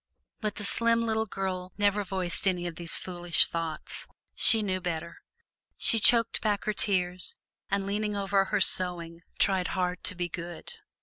But the slim little girl never voiced any of these foolish thoughts; she knew better. She choked back her tears and leaning over her sewing tried hard to be "good."